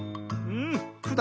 うん。